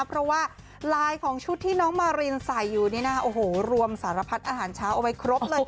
เพราะว่าลายของชุดที่น้องมารินใส่อยู่นี่นะคะโอ้โหรวมสารพัดอาหารเช้าเอาไว้ครบเลยค่ะ